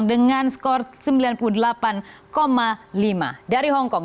dengan skor sembilan puluh delapan lima dari hong kong